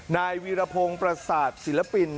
นายวีรพงศ์ประสาทศิลปิน